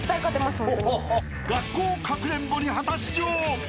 ［学校かくれんぼに果たし状］